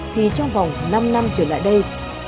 thì trong vòng năm năm trở lại đây